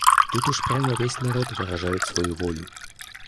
Тут уж прямо весь народ выражает свою волю.